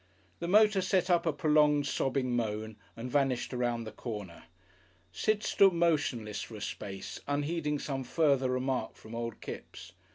The motor set up a prolonged sobbing moan and vanished around the corner. Sid stood motionless for a space, unheeding some further remark from old Kipps.